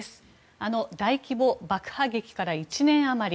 あの大規模爆破劇から１年あまり。